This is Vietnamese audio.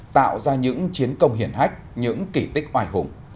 tạo ra những chiến công hiển hách những kỷ tích hoài hùng